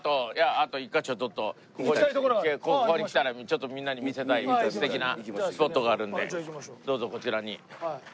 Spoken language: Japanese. あと１カ所ここに来たらみんなに見せたい素敵なスポットがあるのでどうぞこちらに。